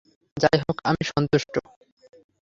যাই হোক, আমি সন্তুষ্ট।